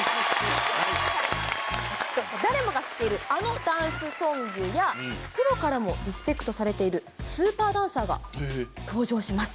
誰もが知っているあのダンスソングや、プロからもリスペクトされている、スーパーダンサーが登場します。